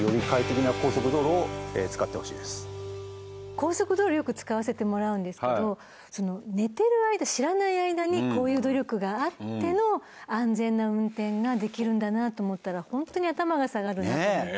高速道路よく使わせてもらうんですけど寝てる間知らない間にこういう努力があっての安全な運転ができるんだなと思ったらホントに頭が下がるなと思って。